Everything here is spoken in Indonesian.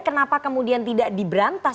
kenapa kemudian tidak diberantas